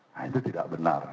nah itu tidak benar